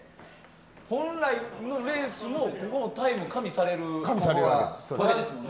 本来のレースはここのタイムも加味されるんですもんね。